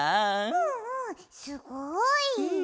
うんうんすごい！